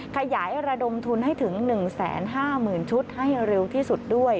ขยายระดมทุนให้ถึง๑๕๐๐๐ชุดให้เร็วที่สุดด้วย